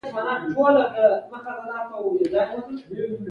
هېواد ته زړونه ورکړئ